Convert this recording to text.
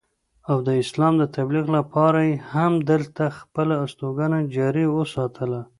او د اسلام د تبليغ دپاره ئې هم دلته خپله استوګنه جاري اوساتله